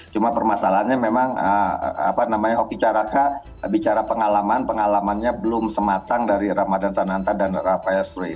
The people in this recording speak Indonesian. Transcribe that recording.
cuma permasalahannya memang apa namanya hoki caraka bicara pengalaman pengalamannya belum sematang dari ramadhan sananta dan rafael struik